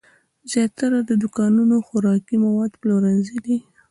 زیاتره دا دوکانونه خوراکي مواد پلورنځي دي.